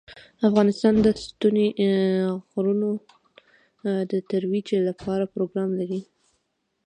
افغانستان د ستوني غرونه د ترویج لپاره پروګرامونه لري.